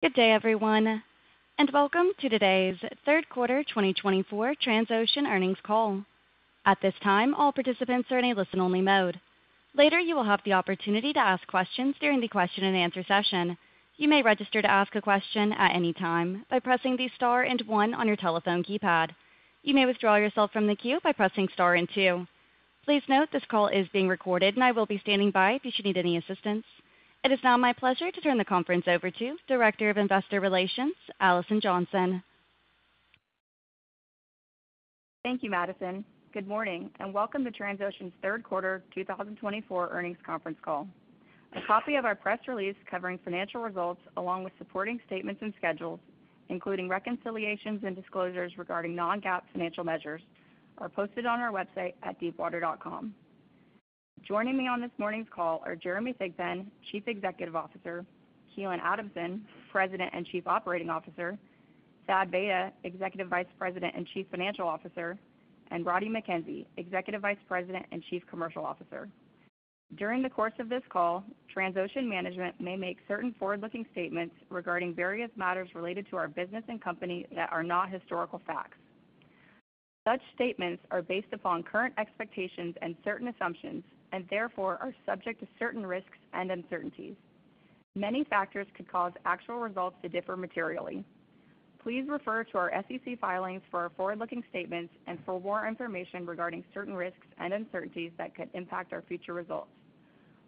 Good day everyone and welcome to today's third quarter 2024 Transocean earnings call. At this time, all participants are in a listen-only mode. Later, you will have the opportunity to ask questions during the question and answer session. You may register to ask a question at any time by pressing the star and one on your telephone keypad. You may withdraw yourself from the queue by pressing star and two. Please note this call is being recorded and I will be standing by if you should need any assistance. It is now my pleasure to turn the conference over to Director of Investor Relations Alison Johnson. Thank you, Madison. Good morning and welcome to Transocean's third quarter 2024 earnings conference call. A copy of our press release covering financial results along with supporting statements and schedules including reconciliations and disclosures regarding non-GAAP financial measures are posted on our website at deepwater.com. Joining me on this morning's call are Jeremy Thigpen, Chief Executive Officer; Keelan Adamson, President and Chief Operating Officer; Thad Vayda, Executive Vice President and Chief Financial Officer; and Roddie Mackenzie, Executive Vice President and Chief Commercial Officer. During the course of this call, Transocean management may make certain forward-looking statements regarding various matters related to our business and company that are not historical facts. Such statements are based upon current expectations and certain assumptions and therefore are subject to certain risks and uncertainties. Many factors could cause actual results to differ materially. Please refer to our SEC filings for our forward-looking statements and for more information regarding certain risks and uncertainties that could impact our future results.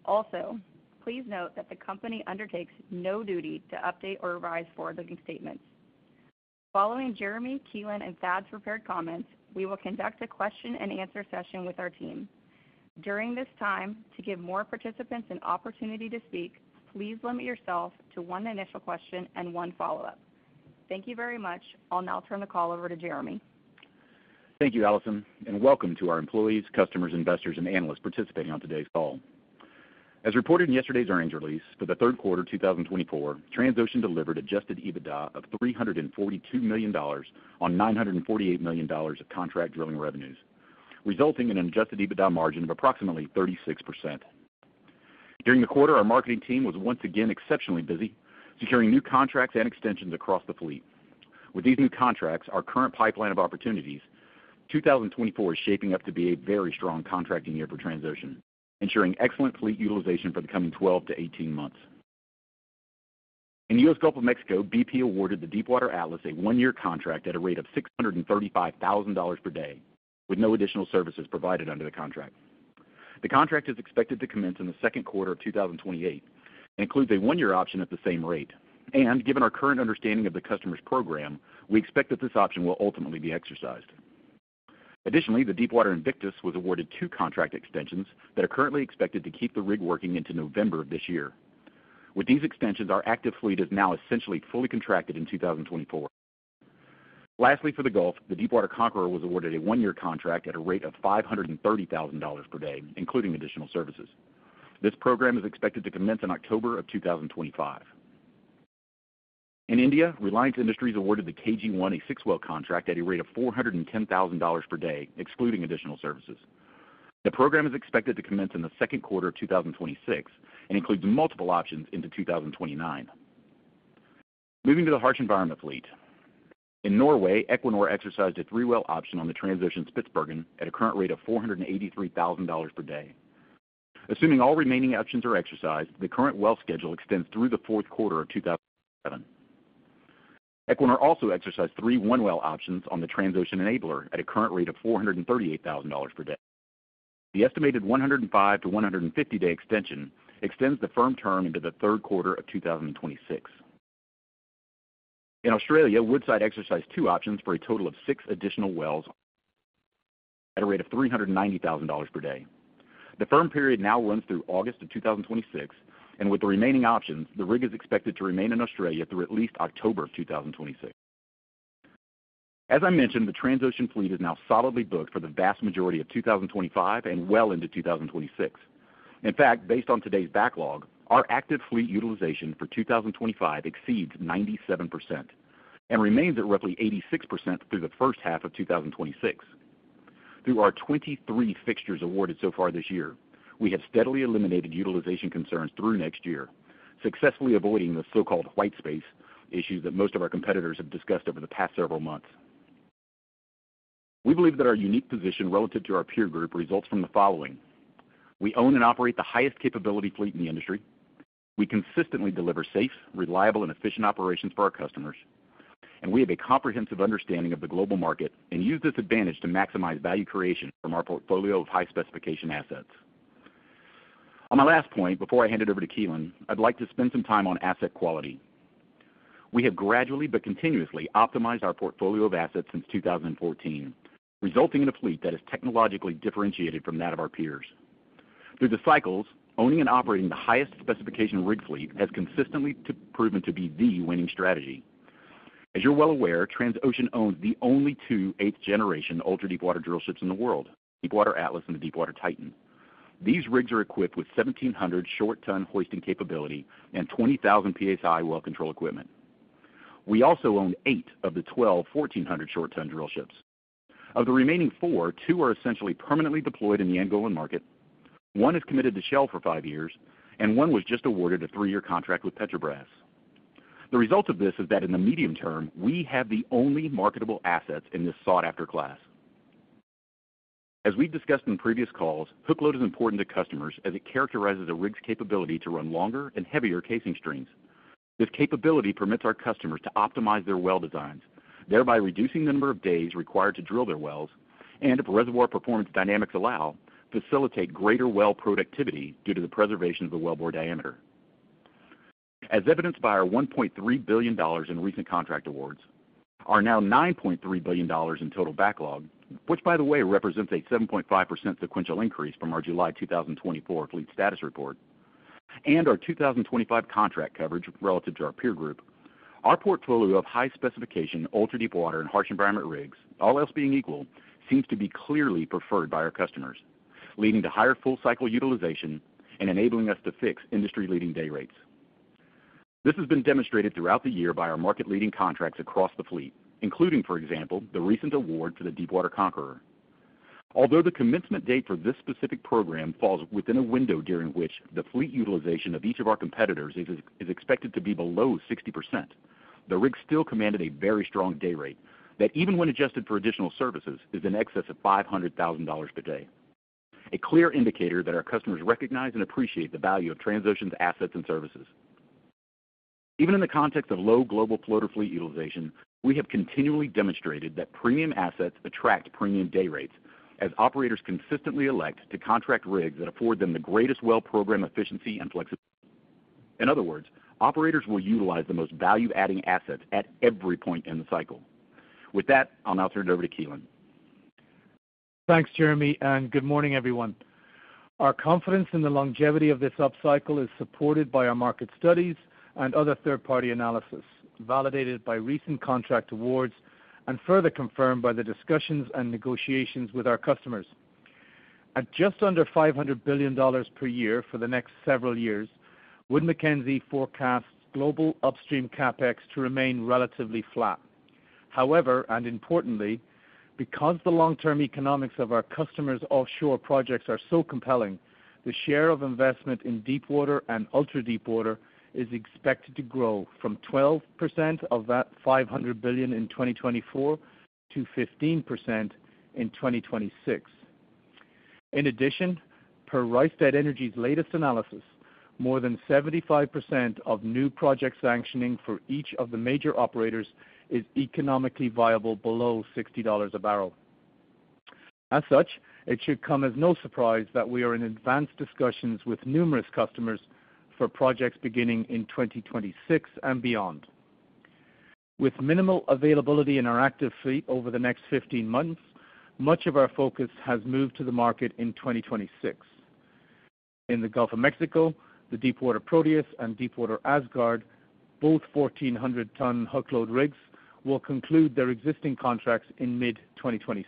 Also, please note that the Company undertakes no duty to update or revise forward-looking statements. Following Jeremy Thigpen and Thad's prepared comments, we will conduct a question and answer session with our team during this time to give more participants an opportunity to speak. Please limit yourself to one initial question and one follow up. Thank you very much. I'll now turn the call over to Jeremy. Thank you, Alison, and welcome to our employees, customers, investors, and analysts participating on today's call. As reported in yesterday's earnings release for the third quarter 2024, Transocean delivered Adjusted EBITDA of $342 million on $948 million of contract drilling revenues, resulting in an Adjusted EBITDA margin of approximately 36%. During the quarter, our marketing team was once again exceptionally busy securing new contracts and extensions across the fleet. With these new contracts, our current pipeline of opportunities in 2024 is shaping up to be a very strong contracting year for Transocean transitioning, ensuring excellent fleet utilization for the coming 12 to 18 months. In the U.S. Gulf of Mexico, BP awarded the Deepwater Atlas a one-year contract at a rate of $635,000 per day with no additional services provided under the contract. The contract is expected to commence in the second quarter of 2028 and includes a one year option at the same rate and given our current understanding of the customer's program, we expect that this option will ultimately be exercised. Additionally, the Deepwater Invictus was awarded two contract extensions that are currently expected to keep the rig working into November of this year. With these extensions, our active fleet is now essentially fully contracted in 2024. Lastly, for the Gulf, the Deepwater Conqueror was awarded a one year contract at a rate of $530,000 per day including additional services. This program is expected to commence in October of 2025. In India, Reliance Industries awarded the KG1 a 6 well contract at a rate of $410,000 per day excluding additional services. The program is expected to commence in the second quarter of 2026 and includes multiple options into 2029. Moving to the harsh environment fleet in Norway, Equinor exercised a three well option on the Transocean Spitsbergen at a current rate of $483,000 per day. Assuming all remaining options are exercised, the current well schedule extends through the fourth quarter of 2025. Equinor also exercised three one well options on the Transocean Enabler at a current rate of $438,000 per day. The estimated 105- to 150-day extension extends the firm term into the third quarter of 2026. In Australia, Woodside exercised two options for a total of six additional wells at a rate of $390,000 per day. The firm period now runs through August of 2026 and with the remaining options the rig is expected to remain in Australia through at least October. As I mentioned, the Transocean fleet is now solidly booked for the vast majority of 2025 and well into 2026. In fact, based on today's backlog, our active fleet utilization for 2025 exceeds 97% and remains at roughly 86% through the first half of 2026. Through our 23 fixtures awarded so far this year, we have steadily eliminated utilization concerns through next year, successfully avoiding the so-called white space issue that most of our competitors have discussed over the past several months. We believe that our unique position relative to our peer group results from the we own and operate the highest capability fleet in the industry. We consistently deliver safe, reliable and efficient operations for our customers and we have a comprehensive understanding of the global market and use this advantage to maximize value creation from our portfolio of high specification assets. On my last point before I hand it over to Keelan, I'd like to spend some time on asset quality. We have gradually but continuously optimized our portfolio of assets since 2014, resulting in a fleet that is technologically differentiated from that of our peers. Through the cycles, owning and operating the highest specification rig fleet has consistently proven to be the winning strategy. As you're well aware, Transocean owns the only two 8th generation ultra-deepwater drillships in the world, Deepwater Atlas and the Deepwater Titan. These rigs are equipped with 1,700 short ton hoisting capability and 20,000 psi well control equipment. We also own eight of the 12 1,400 short ton drillships. Of the remaining four, two are essentially permanently deployed in the Angolan market, one is committed to Shell for five years and one was just awarded a three-year contract with Petrobras. The result of this is that in the medium term we have the only marketable assets in this sought after class. As we've discussed in previous calls, hook load is important to customers as it characterizes a rig's capability to run longer and heavier casing strings. This capability permits our customers to optimize their well designs thereby reducing the number of days required to drill their wells and if reservoir performance dynamics allow, facilitate greater well productivity due to the preservation of the wellbore diameter as evidenced by our $1.3 billion in recent contract awards, our now $9.3 billion in total backlog, which by the way represents a 7.5% sequential increase from our July 2024 fleet status report and our 2025 contract coverage relative to our peer group. Our portfolio of high specification ultra-deepwater and harsh environment rigs, all else being equal, seems to be clearly preferred by our customers leading to higher full cycle utilization and enabling us to fix industry leading day rates. This has been demonstrated throughout the year by our market-leading contracts across the fleet, including for example the recent award for the Deepwater Conqueror. Although the commencement date for this specific program falls within a window during which the fleet utilization of each of our competitors is expected to be below 60%, the rig still commanded a very strong day rate that even when adjusted for additional services is in excess of $500,000 per day, a clear indicator that our customers recognize and appreciate the value of Transocean's assets and services even in the context of low global floater fleet utilization. We have continually demonstrated that premium assets attract premium day rates as operators consistently elect to contract rigs that afford them the greatest well program efficiency and flexibility. In other words, operators will utilize the most value-adding assets at every point in the cycle. With that, I'll now turn it over to Keelan. Thanks Jeremy and good morning everyone. Our confidence in the longevity of this upcycle is supported by our market studies and other third-party analysis validated by recent contract awards and further confirmed by the discussions and negotiations with our customers. At just under $500 billion per year for the next several years, Wood Mackenzie forecasts global upstream CapEx to remain relatively flat. However, and importantly because the long-term economics of our customers' offshore projects are so compelling, the share of investment in deepwater and ultra-deepwater is expected to grow from 12% of that $500 billion in 2024 to 15% in 2026. In addition, per Rystad Energy's latest analysis, more than 75% of new project sanctioning for each of the major operators is economically viable below $60 a barrel. As such, it should come as no surprise that we are in advanced discussions with numerous customers for projects beginning in 2026 and beyond with minimal availability in our active fleet over the next 15 months. Much of our focus has moved to the market in 2026. In the Gulf of Mexico, the Deepwater Proteus and Deepwater Asgard, both 1,400 ton hookload rigs, will conclude their existing contracts in mid-2026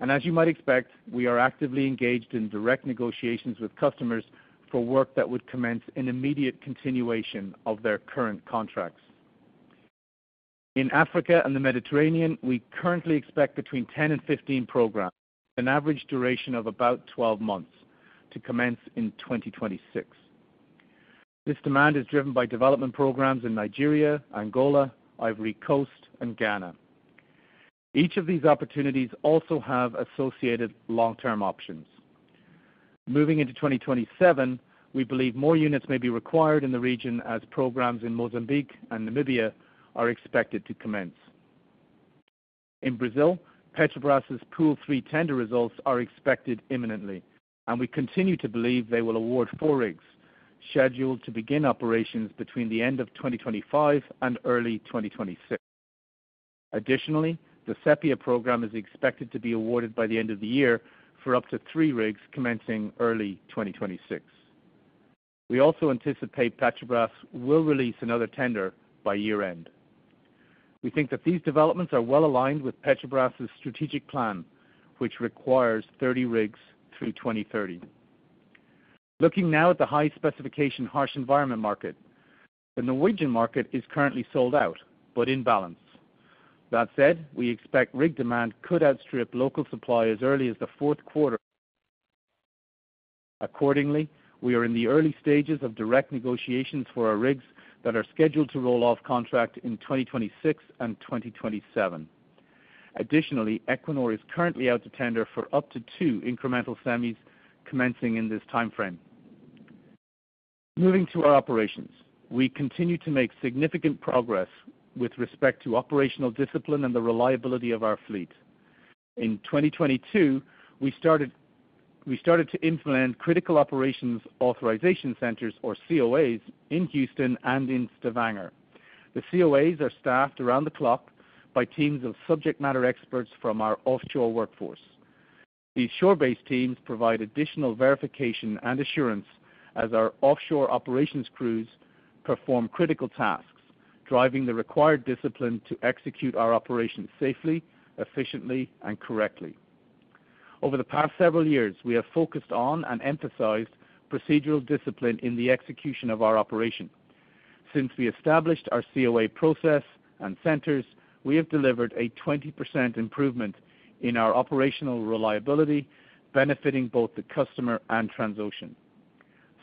and as you might expect, we are actively engaged in direct negotiations with customers for work that would commence an immediate continuation of their current contracts in Africa and the Mediterranean. We currently expect between 10 and 15 programs, an average duration of about 12 months, to commence in 2026. This demand is driven by development programs in Nigeria, Angola, Ivory Coast and Ghana. Each of these opportunities also have associated long term options. Moving into 2027, we believe more units may be required in the region as programs in Mozambique and Namibia are expected to commence. In Brazil, Petrobras Pool 3 tender results are expected imminently and we continue to believe they will award four rigs scheduled to begin operations between the end of 2025 and early 2026. Additionally, the Sepia program is expected to be awarded by the end of the year for up to three rigs commencing early 2026. We also anticipate Petrobras will release another tender by year end. We think that these developments are well aligned with Petrobras' strategic plan which requires 30 rigs through 2030. Looking now at the high specification harsh environment market. The Norwegian market is currently sold out, but in balance. That said, we expect rig demand could outstrip local supply as early as the fourth quarter. Accordingly, we are in the early stages of direct negotiations for our rigs that are scheduled to roll off contract in 2026 and 2027. Additionally, Equinor is currently out to tender for up to two incremental semis commencing in this time frame. Moving to our operations, we continue to make significant progress with respect to operational discipline and the reliability of our fleet. In 2022, we started to implement Critical Operations Authorization Centers or COACs in Houston and in Stavanger. The COACs are staffed around the clock by teams of subject matter experts from our offshore workforce. These shore-based teams provide additional verification and assurance as our offshore operations crews perform critical tasks driving the required discipline to execute our operations safely, efficiently and correctly. Over the past several years, we have focused on and emphasized procedural discipline in the execution of our operations. Since we established our COA process and centers, we have delivered a 20% improvement in our operational reliability, benefiting both the customer and Transocean.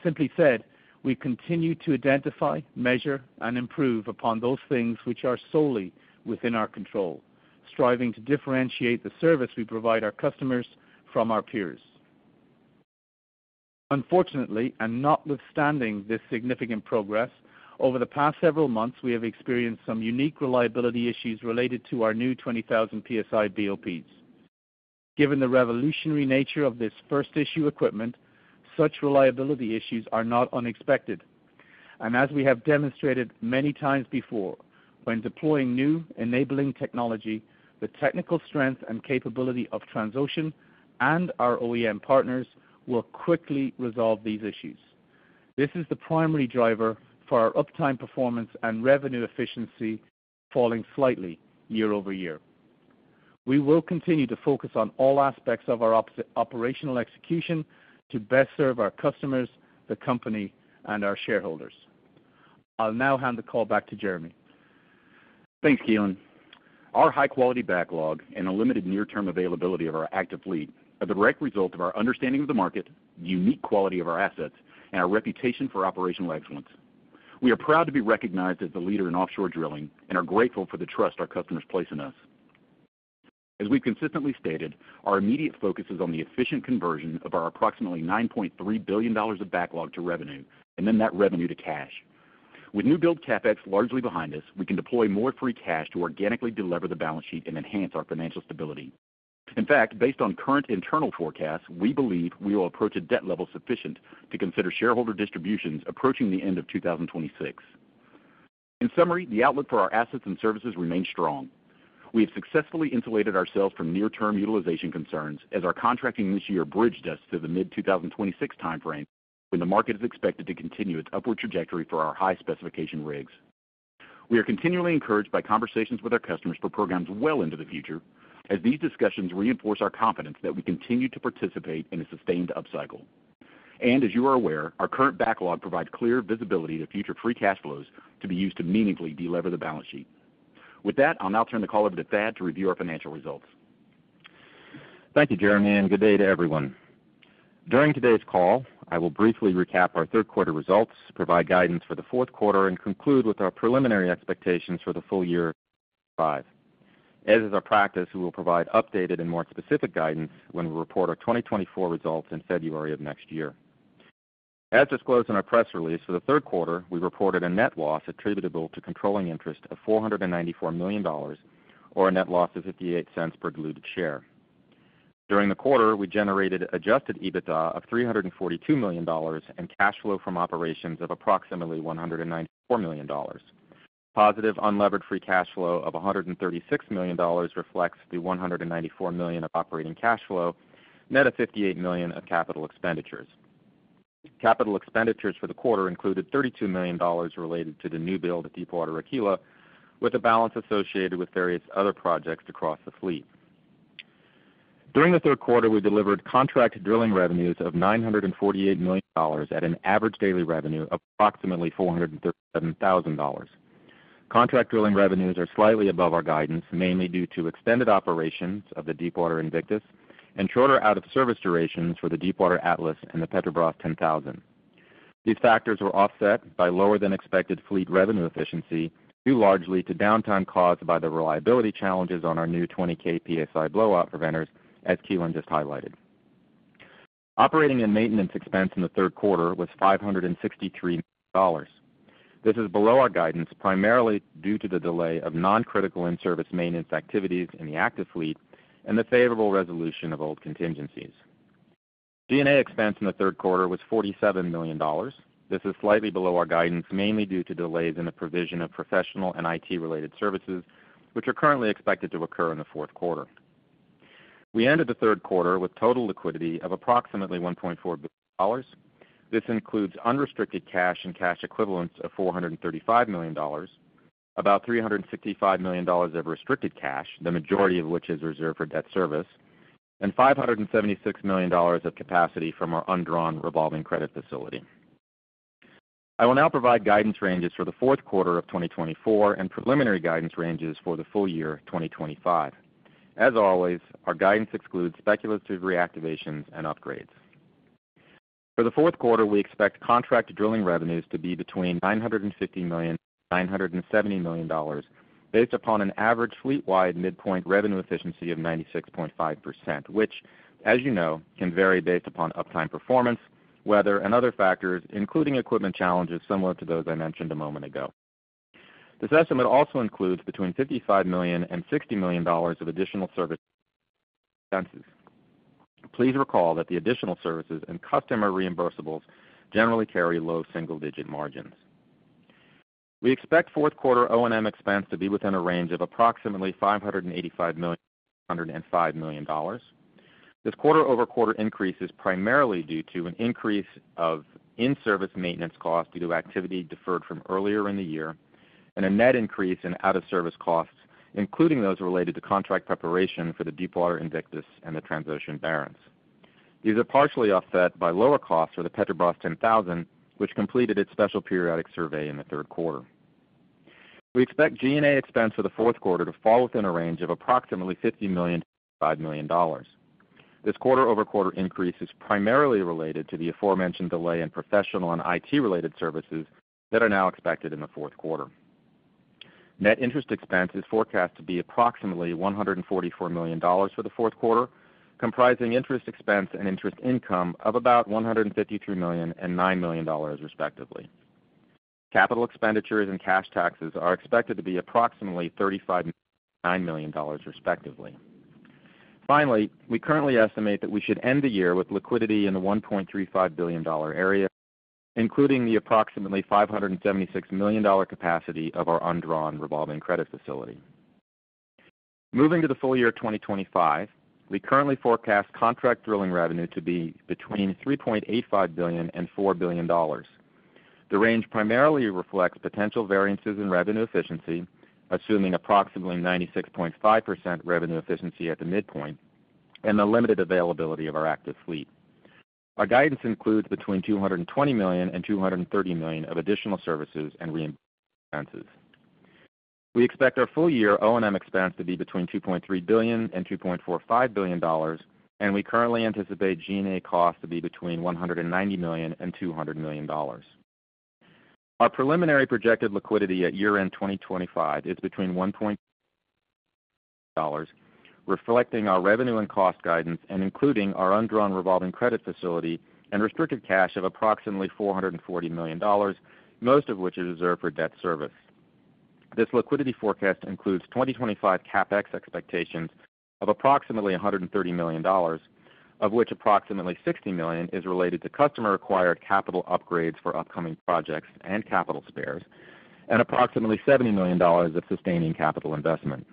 Simply said, we continue to identify, measure and improve upon those things which are solely within our control, striving to differentiate the service we provide our customers from our peers. Unfortunately, and notwithstanding this significant progress over the past several months, we have experienced some unique reliability issues related to our new 20,000 psi BOPs. Given the revolutionary nature of this first-of-its-kind equipment, such reliability issues are not unexpected and as we have demonstrated many times before when deploying new enabling technology, the technical strength and capability of Transocean and our OEM partners will quickly resolve these issues. This is the primary driver for our uptime performance and revenue efficiency falling slightly year over year. We will continue to focus on all aspects of our operational execution to best serve our customers, the company and our shareholders. I'll now hand the call back to Jeremy. Thanks Keelan. Our high-quality backlog and a limited near-term availability of our active fleet. A direct result of our understanding of the market, unique quality of our assets and our reputation for operational excellence. We are proud to be recognized as the leader in offshore drilling and are grateful for the trust our customers place in us. As we've consistently stated, our immediate focus is on the efficient conversion of our approximately $9.3 billion of backlog to revenue and then that revenue to cash. With new build CapEx largely behind us, we can deploy more free cash to organically delever the balance sheet and enhance our financial stability. In fact, based on current internal forecasts, we believe we will approach a debt level sufficient to consider shareholder distributions approaching the end of 2026. In summary, the outlook for our assets and services remains strong. We have successfully insulated ourselves from near term utilization concerns as our contracting this year bridged us to the mid-2026 timeframe when the market is expected to continue its upward trajectory for our high specification rigs. We are continually encouraged by conversations with our customers for programs well into the future as these discussions reinforce our confidence that we continue to participate in a sustained upcycle. And as you are aware, our current backlog provides clear visibility to future free cash flows to be used to meaningfully delever the balance sheet. With that, I'll now turn the call over to Thad to review our financial results. Thank you, Jeremy, and good day to everyone. During today's call, I will briefly recap our third quarter results, provide guidance for the fourth quarter and conclude with our preliminary expectations for the full year. As is our practice, we will provide updated and more specific guidance when we report our 2024 results in February of next year. As disclosed in our press release for the third quarter, we reported a net loss attributable to controlling interest of $494 million or a net loss of $0.58 per diluted share. During the quarter we generated Adjusted EBITDA of $342 million and cash flow from operations of approximately $194 million. Positive Unlevered Free Cash Flow of $136 million reflects the $194 million of operating cash flow, net of $58 million of capital expenditures. Capital expenditures for the quarter included $32 million related to the new build at Deepwater Aquila with a balance associated with various other projects across the fleet. During the third quarter we delivered contract drilling revenues of $948 million at an average daily revenue of approximately $437,000. Contract drilling revenues are slightly above our guidance, mainly due to extended operations of the Deepwater Invictus and shorter out of service durations for the Deepwater Atlas and the Petrobras 10,000. These factors were offset by lower than expected fleet revenue efficiency due largely to downtime caused by the reliability challenges on our new 20K psi blowout preventers. As Keelan just highlighted, operating and maintenance expense in the third quarter was $563 million. This is below our guidance, primarily due to the delay of non critical in service maintenance activities in the active fleet and the favorable resolution of old contingencies. G&A expense in the third quarter was $47 million. This is slightly below our guidance mainly due to delays in the provision of professional and IT related services which are currently expected to occur in the fourth quarter. We ended the third quarter with total liquidity of approximately $1.4 billion. This includes unrestricted cash and cash equivalents of $435 million, about $365 million of restricted cash, the majority of which is reserved for debt service and $576 million of capacity from our undrawn revolving credit facility. I will now provide guidance ranges for the fourth quarter of 2024 and preliminary guidance ranges for the full year 2025. As always, our guidance excludes speculative reactivations and upgrades. For the fourth quarter we expect contract drilling revenues to be between $950 million and $970 million based upon an average fleet wide midpoint revenue efficiency of 96.5% which as you know can vary based upon uptime performance, weather and other factors including equipment challenges similar to those I mentioned a moment ago. This estimate also includes between $55 million and $60 million of additional service expenses. Please recall that the additional services and customer reimbursables generally carry low single digit margins. We expect fourth quarter O&M expense to be within a range of approximately $585 million to $405 million this quarter. Quarter-over-quarter increase is primarily due to an increase in in-service maintenance costs due to activity deferred from earlier in the year and a net increase in out-of-service costs including those related to contract preparation for the Deepwater Invictus and the Transocean Barents. These are partially offset by lower costs for the Petrobras 10,000 which completed its special periodic survey in the third quarter. We expect G&A expense for the fourth quarter to fall within a range of approximately $50-$55 million this quarter. The quarter-over-quarter increase is primarily related to the aforementioned delay in professional and IT related services that are now expected in the fourth quarter. Net interest expense is forecast to be approximately $144 million for the fourth quarter comprising interest expense and interest income of about $153 million and $9 million respectively. Capital expenditures and cash taxes are expected to be approximately $35 million dollars respectively. Finally, we currently estimate that we should end the year with liquidity in the $1.35 billion area including the approximately $576 million capacity of our undrawn revolving credit facility. Moving to the full year 2025, we currently forecast contract drilling revenue to be between $3.85 billion-$4 billion. The range primarily reflects potential variances in revenue efficiency. Assuming approximately 96.5% revenue efficiency at the midpoint and the limited availability of our active fleet, our guidance includes between $220 million and $230 million of additional services and reimbursement. We expect our full year O&M expense to be between $2.3 billion-$2.45 billion, and we currently anticipate G&A cost to be between $190 million-$200 million. Our preliminary projected liquidity at year-end 2025 is between $1 billion, reflecting our revenue and cost guidance and including our undrawn revolving credit facility and restricted cash of approximately $440 million, most of which is reserved for debt service. This liquidity forecast includes 2025 CapEx expectations of approximately $130 million, of which approximately $60 million is related to customer acquired capital, upgrades for upcoming projects and capital spares, and approximately $70 million of sustaining capital investment.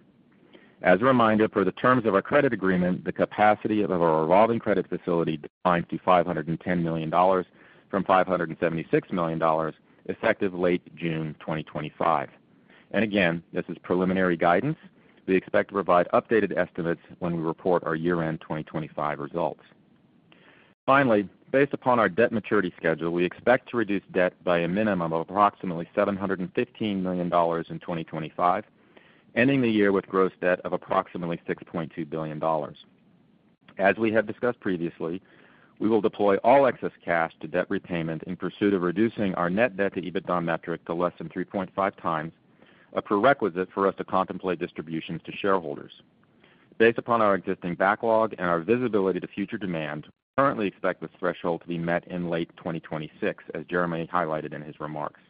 As a reminder for the terms of our credit agreement, the capacity of our revolving credit facility declines to $510 million from $576 million effective late June 2025 and again, this is preliminary guidance. We expect to provide updated estimates when we report our year-end 2025 results. Finally, based upon our debt maturity schedule, we expect to reduce debt by a minimum of approximately $715 million in 2025, ending the year with gross debt of approximately $6.2 billion. As we have discussed previously, we will deploy all excess cash to debt repayment in pursuit of reducing our net debt to EBITDA metric to less than 3.5 times, a prerequisite for us to contemplate distributions to shareholders. Based upon our existing backlog and our visibility to future demand, we currently expect this threshold to be met in late 2026, as Jeremy highlighted in his remarks.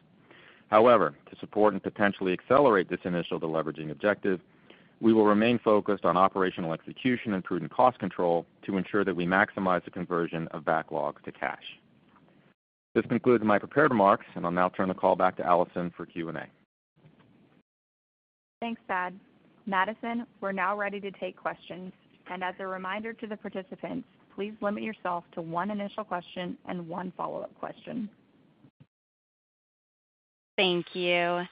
However, to support and potentially accelerate this initial deleveraging objective, we will remain focused on operational execution and prudent cost control to ensure that we maximize the conversion of backlog to cash. This concludes my prepared remarks and I'll now turn the call back to Alison for Q&A. Thanks, Thad. Madison, we're now ready to take questions and as a reminder to the participants, please limit yourself to one initial question and one follow-up question. Thank you,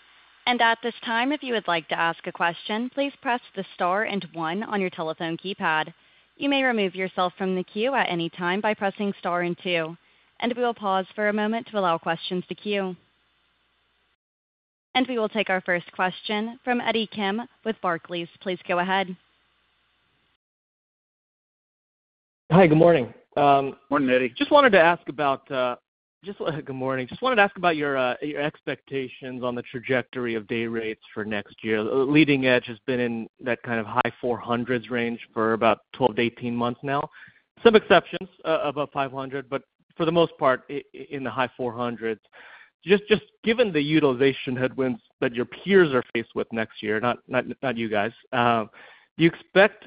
and at this time, if you would like to ask a question, please press the star and one on your telephone keypad. You may remove yourself from the queue at any time by pressing star and two and we will pause for a moment to allow questions to queue. And. We will take our first question from Eddie Kim with Barclays. Please go ahead. Hi, good morning. Morning Eddie. Good morning. Just wanted to ask about your expectations on the trajectory of day rates for next year. Leading edge has been in that kind of high $400s range for about 12-18 months now. Some exceptions above $500, but for the most part in the high $400s. Just given the utilization headwinds that your peers are faced with next year, not you guys, do you expect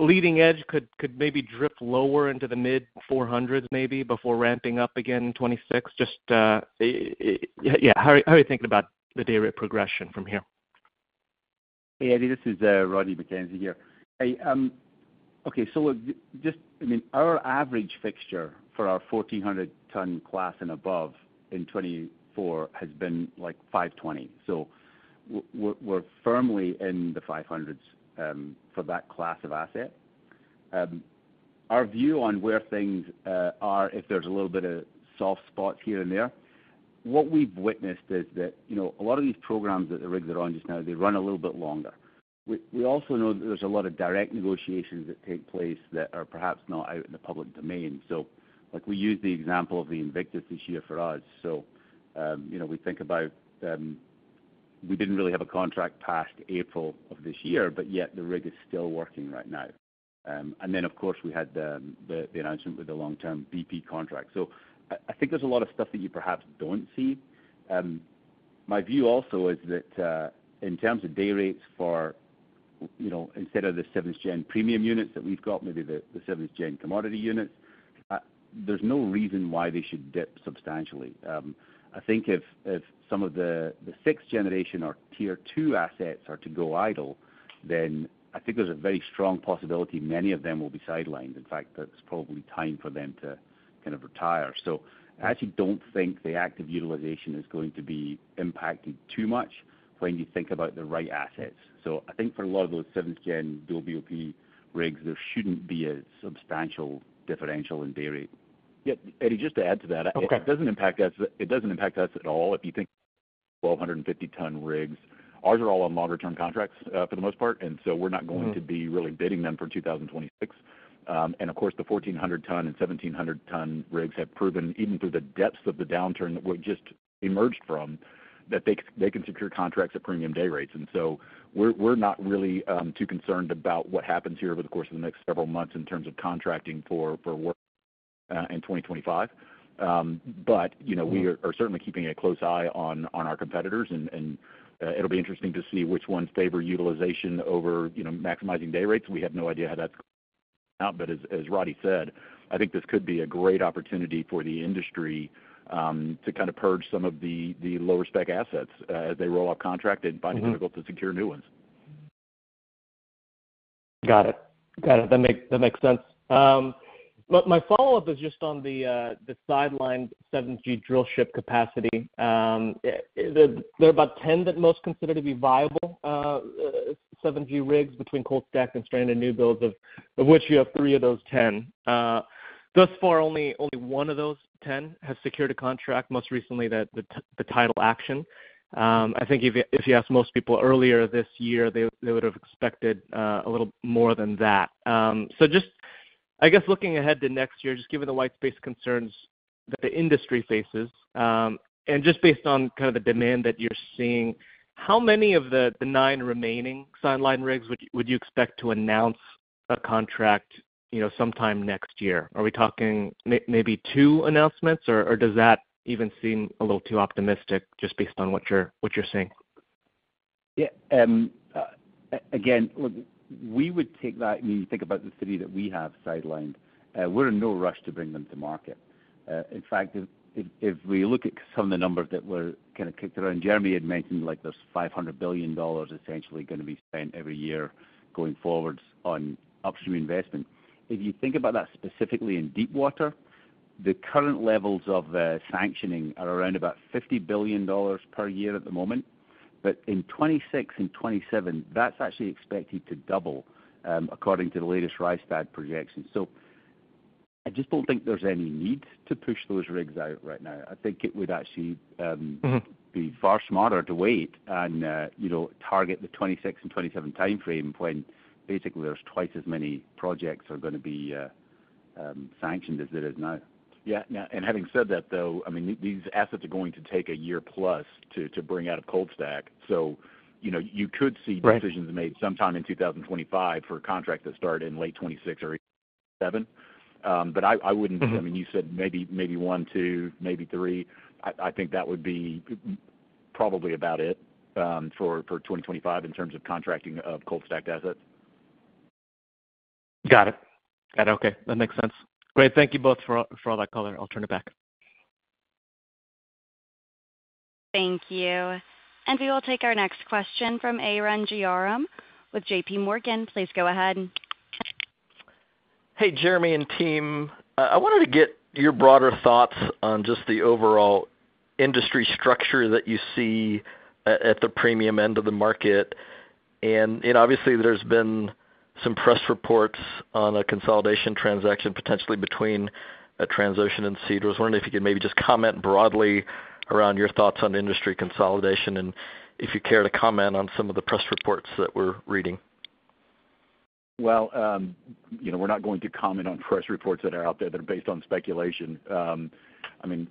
leading edge could maybe drift lower into the mid-$400s maybe before ramping up again in 2026? How are you thinking about the day rate progression from here? Eddie, this is Roddie Mackenzie here. Okay, so just, I mean our average fixture for our 1,400 ton class and above in 2024 has been like 520. So we're firmly in the 500s for that class of asset. Our view on where things are, if there's a little bit of soft spots here and there, what we've witnessed is that, you know, a lot of these programs that the rigs are on just now, they run a little bit longer. We also know that there's a lot of direct negotiations that take place that are perhaps not out in the public domain. So like we used the example of the Invictus this year for us. So you know, we think about, we didn't really have a contract past April of this year, but yet the rig is still working right now. Then of course we had the announcement with the long-term BP contract. So I think there's a lot of stuff that you perhaps don't see. My view also is that in terms of day rates for, instead of the 7th-gen premium units that we've got maybe the 7th-gen commodity units, there's no reason why they should dip substantially. I think if some of the sixth-generation or tier-two assets are to go idle then I think there's a very strong possibility many of them will be sidelined. In fact, that's probably time for them to kind of retire. So I actually don't think the active utilization is going to be impacted too much when you think about the right assets. So I think for a lot of those 7th-gen dual BOP rigs, there shouldn't be a substantial differential in day rate. Eddie, just to add to that, it doesn't impact us at all. If you think 1,250-ton rigs, ours are all on longer term contracts for the most part, and so we're not going to be really bidding them for 2026, and of course the 1,400-ton and 1,700-ton rigs have proven even through the depths of the downturn that we just emerged from, that they can secure contracts at premium day rates, and so we're not really too concerned about what happens here over the course of the next several months in terms of contracting for work in 2025, but we are certainly keeping a close eye on our competitors and it will be interesting to see which ones favor utilization over maximizing day rates. We have no idea how that's going to be, but as Roddie said, I think this could be a great opportunity for the industry to kind of purge some of the lower spec assets as they roll off contract and find it difficult to secure new ones. Got it, got it. That makes sense. My follow up is just on the sideline 7G drill ship capacity. There are about 10 that most consider to be viable 7G rigs between cold stack and stranded new builds, of which you have three of those 10. Thus far, only one of those 10 has secured a contract. Most recently the Tidal Action. I think if you ask most people earlier this year, they would have expected a little more than that. So just, I guess looking ahead to next year, just given the white space concerns that the industry faces, and just based on kind of the demand that you're seeing, how many of the nine remaining sideline rigs would you expect to announce a contract sometime next year? Are we talking maybe two announcements or does that even seem a little too optimistic just based on what you're seeing? Again, we would take that. You think about the three that we have sidelined. We're in no rush to bring them to market. In fact, if we look at some of the numbers that were kind of kicked around, Jeremy had mentioned, like there's $500 billion potentially going to be spent every year going forward on upstream investment. If you think about that, specifically in deepwater, the current levels of sanctioning are around about $50 billion per year at the moment. But in 2026 and 2027, that's actually expected to double according to the latest Rystad projections. So I just don't think there's any need to push those rigs out right now. I think it would actually be far smarter to wait and target the 2026 and 2027 timeframe when basically there's twice as many projects are going to be sanctioned as it is now. Yeah, and having said that though, I mean these assets are going to take a year plus to bring out of cold stack. So you could see decisions made sometime in 2025 for contracts that start in late 2026 or 2027. But I wouldn't, I mean, you said maybe one, two, maybe three. I think that would be probably about it for 2025 in terms of contracting of cold stacked assets. Got it, got it. Okay, that makes sense. Great. Thank you both for all that color. I'll turn it back. Thank you. And we will take our next question from Arun Jayaram with J.P. Morgan. Please go ahead. Hey Jeremy and team, I wanted to get your broader thoughts on just the overall industry structure that you see at the premium end of the market. And obviously there's been some press reports on a consolidation transaction potentially between Transocean and Seadrill. Was wondering if you could maybe just comment broadly around your thoughts on industry consolidation and if you care to comment on some of the press reports that we're reading. Well, we're not going to comment on press reports that are out there that are based on speculation. I mean,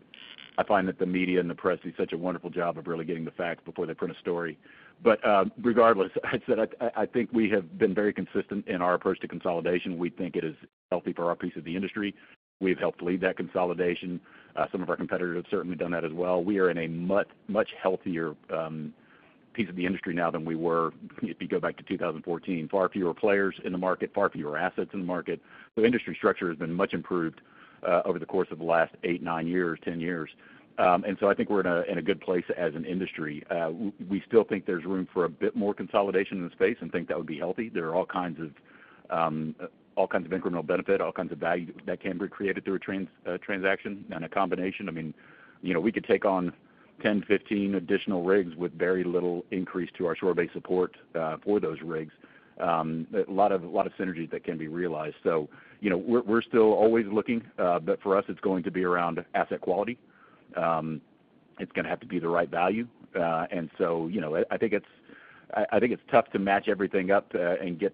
I find that the media and the press do such a wonderful job of really getting the facts before they print a story. But regardless, I think we have been very consistent in our approach to consolidation. We think it is healthy for our piece of the industry. We have helped lead that consolidation. Some of our competitors have certainly done that as well. We are in a much, much healthier piece of the industry now than we were if you go back to 2014, far fewer players in the market, far fewer assets in the market. So industry structure has been much improved over the course of the last eight, nine years, 10 years. And so I think we're in a good place as an industry. We still think there's room for a bit more consolidation in the space and think that would be healthy. There are all kinds of incremental benefit, all kinds of value that can be created through a transaction and a combination. I mean, you know, we could take on 10, 15 additional rigs with very little increase to our shore-based support for those rigs. A lot of synergies that can be realized. So, you know, we're still always looking, but for us it's going to be around asset quality. It's going to have to be the right value. And so, you know, I think it's tough to match everything up and get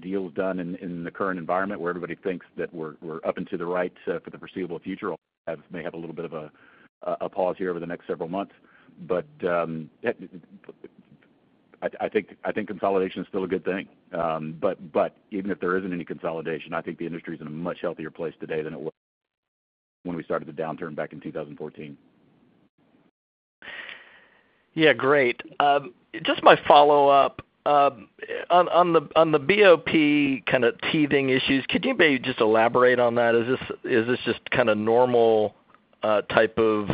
deals done in the current environment where everybody thinks that we're up and to the right for the foreseeable future. May have a little bit of a pause here over the next several months, but I think consolidation is still a good thing. But even if there isn't any consolidation, I think the industry is in a much healthier place today than it was when we started the downturn back in 2014. Yeah, great. Just my follow up on the BOP kind of teething issues. Could you maybe just elaborate on that? Is this just kind of normal type of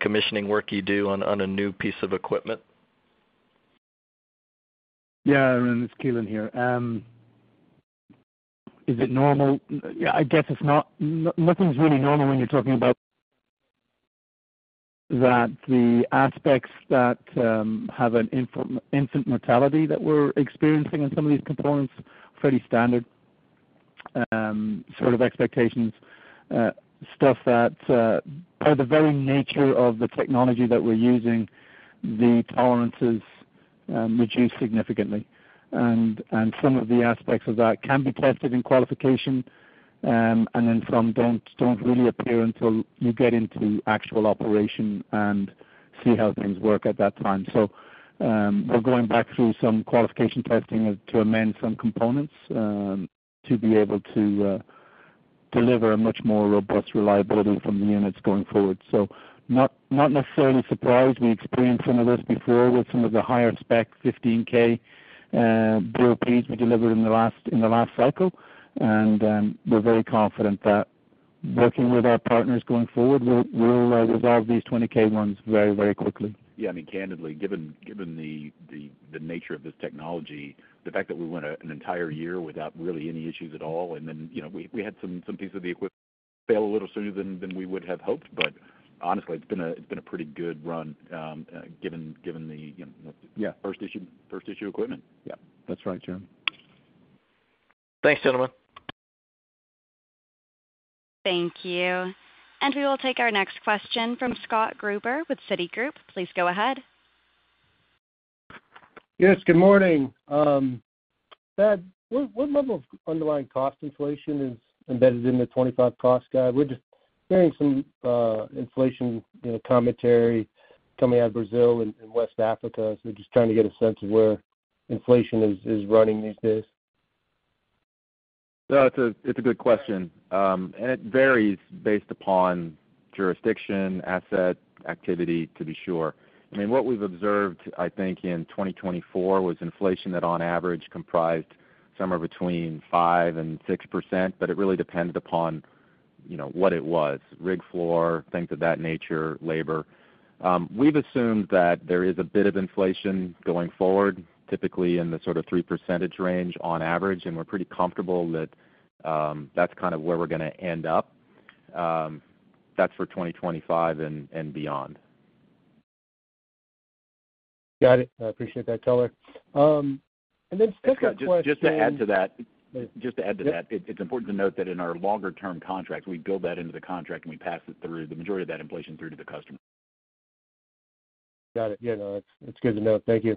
commissioning work you do on a new piece of equipment? Yeah, it's Keelan here. Is it normal? I guess it's not. Nothing's really normal when you're talking about that. The aspects that have an infant mortality that we're experiencing in some of these components, pretty standard sort of expectations stuff that by the very nature of the technology that we're using, the tolerances reduce significantly and some of the aspects of that can be tested in qualification and then some don't really appear until you get into actual operation and see how things work at that time. So we're going back through some qualification testing to amend some components to be able to deliver a much more robust reliability from the units going forward. So not necessarily surprised. We experienced some of this before with some of the higher spec 15K BOPs we delivered in the last cycle. And we're very confident that working with our partners going forward will resolve these 20K ones very, very quickly. Yeah, I mean, candidly, given the nature of this technology, the fact that we went an entire year without really any issues at all, and then, you know, we had some pieces of the equipment fail a little sooner than we would have hoped. But honestly, it's been a pretty good run given the first issue. First issue equipment. Yeah, that's right, Jim. Thanks, gentlemen. Thank you. We will take our next question from Scott Gruber with Citigroup. Please go ahead. Yes, good morning, Thad. What level of underlying cost inflation is embedded in the 25 cost guide? We're just hearing some inflation commentary coming out of Brazil and West Africa. So just trying to get a sense of where inflation is running these days. It's a good question. It varies based upon jurisdiction, asset activity, to be sure. I mean, what we've observed, I think, in 2024 was inflation that on average comprised somewhere between 5% and 6%, but it really depended upon what it was, rig floor, things of that nature, labor. We've assumed that there is a bit of inflation going forward, typically in the sort of 3% range on average. We're pretty comfortable that that's kind of where we're going to end up. That's for 2025 and beyond. Got it. I appreciate that color. And then just to add to that, it's important to note that in our longer term contracts, we build that into the contract and we pass it through the majority of that inflation through to the customer. Got it? Yeah, that's good to know. Thank you.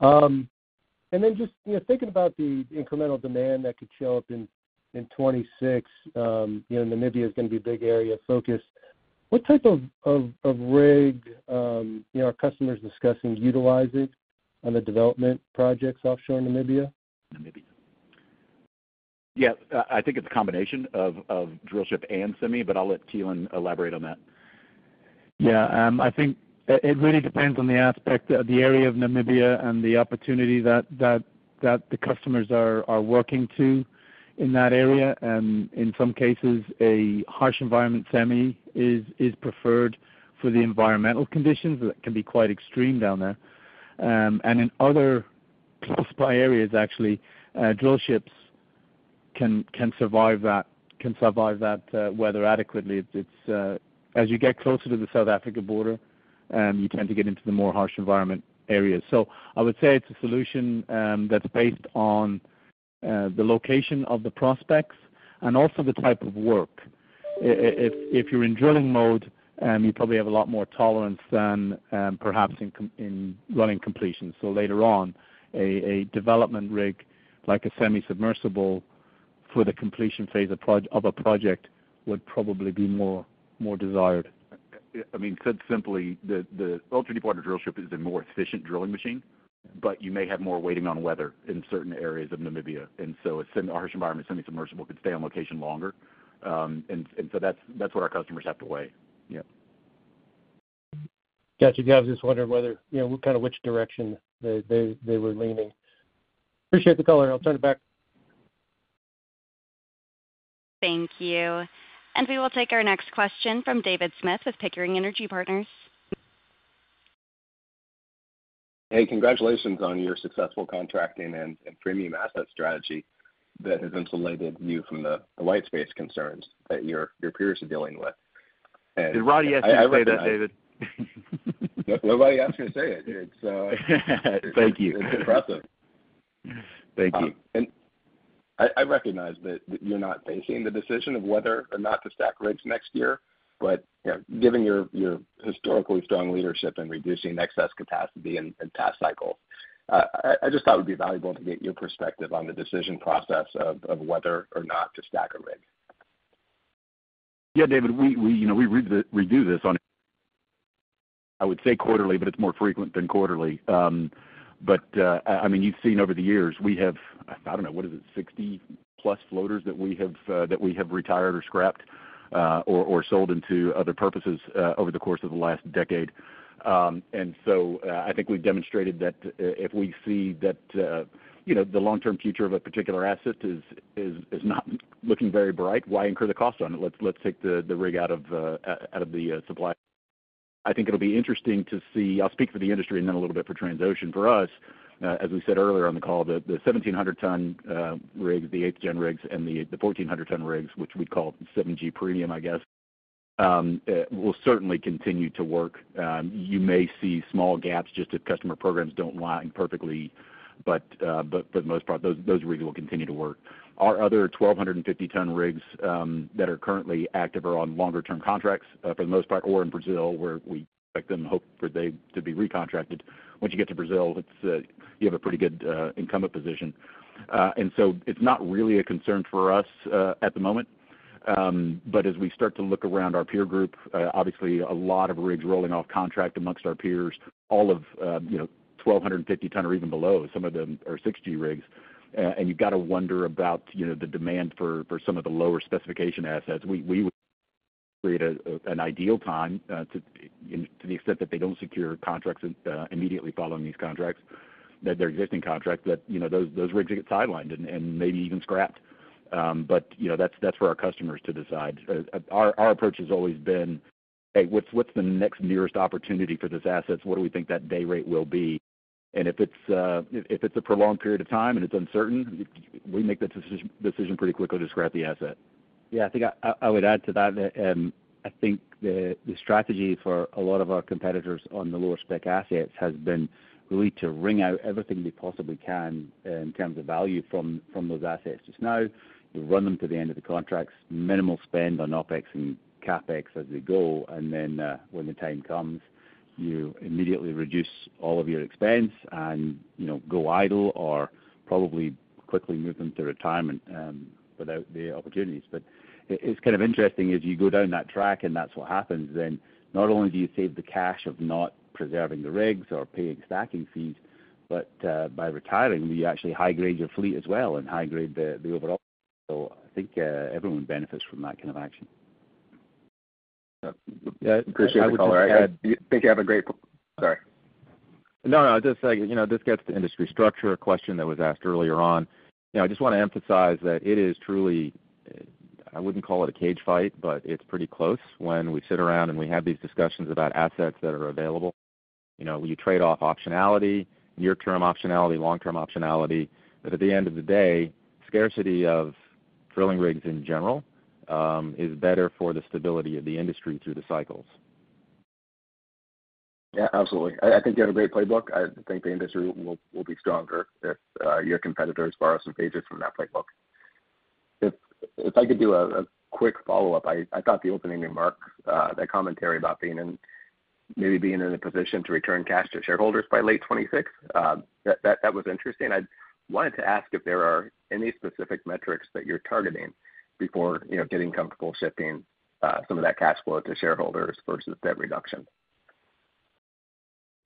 And then just thinking about the incremental demand that could show up in 2026, Namibia is going to be a big area of focus. What type of rig are customers discussing utilizing on the development projects offshore Namibia? Namibia. Yeah, I think it's a combination of drillship and semi, but I'll let Keelan elaborate on that. Yeah, I think it really depends on the aspect the area of Namibia and the opportunity that the customers are working to in that area. In some cases a harsh environment semi is preferred for the environmental conditions that can be quite extreme down there and in other close by areas actually drillships can survive that weather adequately. It's as you get closer to the South Africa border, you tend to get into the more harsh environment areas. So I would say it's a solution that's based on the location of the prospects and also the type of work. If you're in drilling mode, you probably have a lot more tolerance than perhaps in running completions. So later on a development rig like a semi submersible for the completion phase of a project would probably be more desired. I mean, put simply, the ultra-deepwater drillship is a more efficient drilling machine, but you may have more waiting on weather in certain areas of Namibia, and so a harsh environment semi-submersible could stay on location longer, and so that's what our customers have to weigh. Yeah, gotcha. I was just wondering whether you know, kind of which direction they were leaning. Appreciate the color. I'll turn it back. Thank you, and we will take our next question from David Smith of Pickering Energy Partners. Hey, congratulations on your successful contracting and premium asset strategy that has insulated you from the White Space concerns that your. Peers are dealing with. Did Roddie ask you to say that? David? Nobody asked me to say it, so thank you. It's impressive. Thank you. And I recognize that you're not facing the decision of whether or not to stack rigs next year, but given your. Historically strong leadership in reducing excess capacity. Past cycles, I just thought it would be valuable to get your perspective. On the decision process of whether or. Not to stack a rig. Yeah, David, we redo this on, I would say quarterly, but it's more frequent than quarterly. But I mean you've seen over the years we have, I don't know, what is it, 60 plus floaters that we have retired or scrapped or sold into other purposes over the course of the last decade. And so I think we've demonstrated that if we see that the long term future of a particular asset is not looking very bright, why incur the cost on it? Let's take the rig out of the supply. I think it will be interesting to see. I'll speak for the industry and then a little bit for Transocean. For us, as we said earlier on the call, the 1,700-ton rigs, the 8th gen rigs and the 1,400-ton rigs which we'd call 7G Premium I guess will certainly continue to work. You may see small gaps just if customer programs don't line perfectly. But for the most part those rigs will continue to work. Our other 1,250-ton rigs that are currently active are on longer term contracts for the most part or in Brazil where we expect them, hope for them to be recontracted. Once you get to Brazil, you have a pretty good incumbent position. And so it's not really a concern for us at the moment. But as we start to look around our peer group, obviously a lot of rigs rolling off contract amongst our peers. All of you know 1,250-ton or even below. Some of them are 6G rigs and you've got to wonder about the demand for some of the lower specification assets. We would create an idle time to the extent that they don't secure contracts immediately following these contracts, that their existing contract, that those rigs get sidelined and maybe even scrapped. But that's for our customers to decide. Our approach has always been hey, what's the next nearest opportunity for this asset? What do we think that day rate will be? And if it's a prolonged period of time and it's uncertain, we make that decision pretty quickly to scrap the asset. Yes, I think I would add to that. I think the strategy for a lot of our competitors on the lower spec assets has been really to wring out everything they possibly can in terms of value from those assets. Just now, you run them to the end of the contracts, minimal spend on OpEx and CapEx as they go, and then when the time comes, you immediately reduce all of your expense and go idle or probably quickly move them to retirement without the opportunities. But it's kind of interesting as you go down that track, and that's what happens. Then not only do you save the cash of not preserving the rigs or paying stacking fees, but by retiring you actually high grade your fleet as well and high grade the overall. So I think everyone benefits from that kind of action. Thank you. Have a great. No, no, just, you know, this gets to industry structure. A question that was asked earlier on. You know, I just want to emphasize that it is truly, I wouldn't call it a cage fight, but it's pretty close. When we sit around and we have these discussions about assets that are available, you know, you trade off optionality, near term optionality, long term optionality. But at the end of the day, scarcity of drilling rigs in general is better for the stability of the industry through the cycles. Yeah, absolutely. I think you have a great playbook. I think the industry will be stronger if your competitors borrow some pages from that playbook. If I could do a quick follow up, I thought the opening remark, that commentary about being in, maybe being in a position to return cash to shareholders by late 2026, that was interesting. I wanted to ask if there are. Any specific metrics that you're targeting before getting comfortable shifting some of that cash flow to shareholders versus debt reduction?